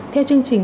theo chương trình